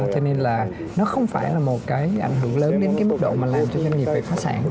cho nên là nó không phải là một cái ảnh hưởng lớn đến cái mức độ mà làm cho doanh nghiệp về phá sản